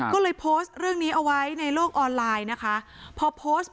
ก็เลยโพสต์เรื่องนี้เอาไว้ในโลกออนไลน์พอโพสต์ปุ๊บเนี่ย